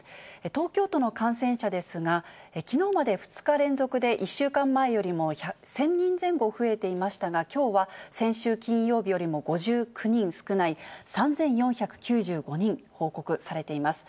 東京都の感染者ですが、きのうまで２日連続で１週間前よりも１０００人前後増えていましたが、きょうは先週金曜日よりも５９人少ない、３４９５人報告されています。